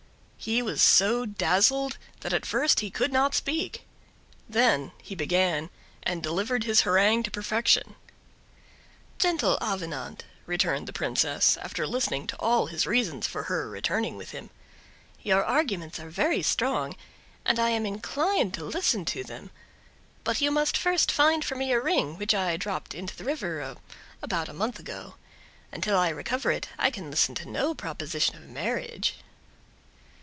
He was so dazzled that at first he could not speak; then he began and delivered his harangue to perfection. "Gentle Avenant," returned the Princess, after listening to all his reasons for her returning with him, "your arguments are very strong, and I am inclined to listen to them; but you must first find for me a ring, which I dropped into the river about a month ago. Until I recover it, I can listen to no proposition of marriage."